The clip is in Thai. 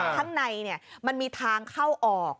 ข้างในมันมีทางเข้าออก